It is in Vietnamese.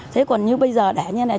thế còn như bây giờ đã như thế này